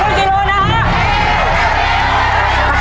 ครึ่งกิโลนะฮะ